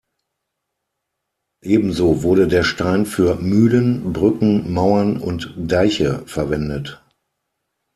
Ebenso wurde der Stein für Mühlen, Brücken, Mauern und Deiche verwendet.